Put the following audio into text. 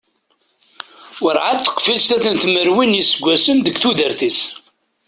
Warɛad teqfil snat n tmerwin n yiseggasen deg tudert-is.